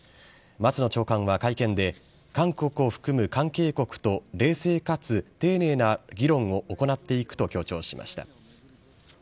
松野長官は会見で、韓国を含む関係国と冷静かつ丁寧な議論を行っていくと強調しました。